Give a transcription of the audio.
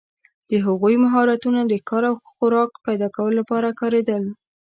د هغوی مهارتونه د ښکار او خوراک پیداکولو لپاره کارېدل.